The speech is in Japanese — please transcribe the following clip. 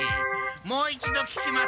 もう一度聞きます。